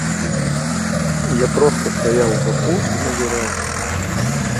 Я проста стаяў у баку і назіраў.